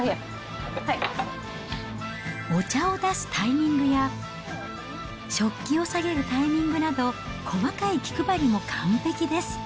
お茶を出すタイミングや、食器を下げるタイミングなど、細かい気配りも完璧です。